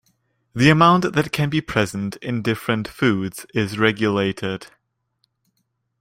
The amount that can be present in different foods is regulated.